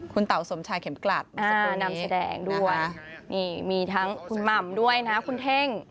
คุณเต๋าสมชายเข็มกลัดนำแสดงด้วยมีทั้งคุณหม่ำด้วยนะคุณเท่ง